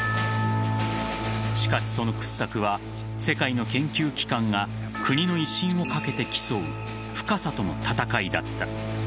しかしその掘削は世界の研究機関が国の威信をかけて競う深さとの戦いだった。